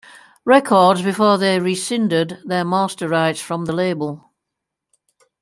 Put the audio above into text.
Records before they rescinded their master rights from the label.